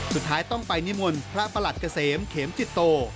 สุดท้ายต้องไปนิมนต์พระประหลัดเกษมเขมจิตโต